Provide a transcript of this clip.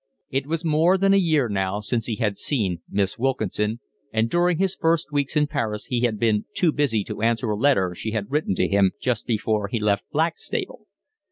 It was more than a year now since he had seen Miss Wilkinson, and during his first weeks in Paris he had been too busy to answer a letter she had written to him just before he left Blackstable.